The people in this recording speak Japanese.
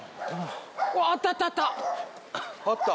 あった！